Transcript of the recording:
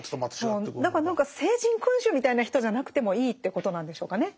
何か聖人君子みたいな人じゃなくてもいいっていうことなんでしょうかね。